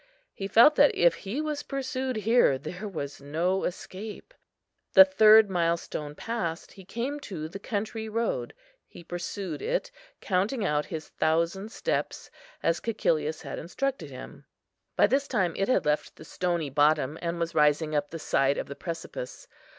He felt that if he was pursued here, there was no escape. The third milestone passed, he came to the country road; he pursued it, counting out his thousand steps, as Cæcilius had instructed him. By this time it had left the stony bottom, and was rising up the side of the precipice.